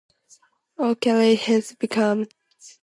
O'Kelley hence became "the man who killed Robert Ford".